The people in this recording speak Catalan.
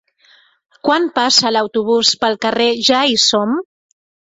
Quan passa l'autobús pel carrer Ja-hi-som?